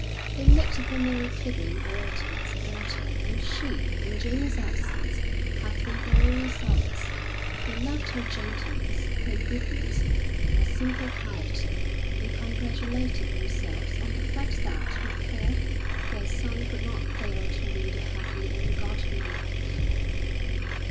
They looked upon Mary Clibborn already as a daughter, and she, in Jamie's absence, had been their only solace. They loved her gentleness, her goodness, her simple piety, and congratulated themselves on the fact that with her their son could not fail to lead a happy and a godly life.